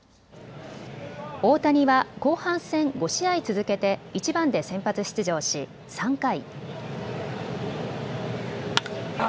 大谷は後半戦、５試合続けて１番で先発出場し３回。